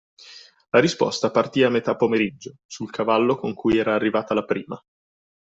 La risposta partì a metà pomeriggio, sul cavallo con cui era arrivata la prima.